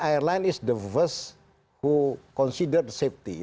jadi filsafat pengelola maskapai penerbangan tidak boleh begini